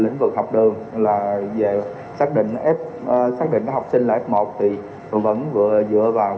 lĩnh vực học đường là về xác định học sinh là f một thì vẫn dựa vào cái quy định này